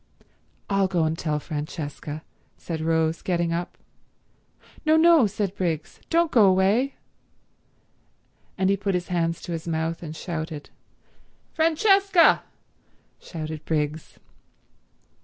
"I'll go and tell Francesca," said Rose, getting up. "No, no," said Briggs. "Don't go away." And he put his hands to his mouth and shouted. "Francesca!" shouted Briggs.